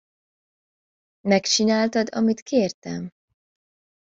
Megcsináltad, amit kértem?